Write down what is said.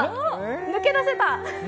抜け出せた。